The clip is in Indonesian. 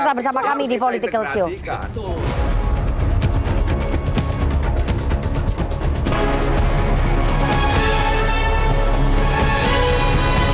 sampai bersama kami di politikal show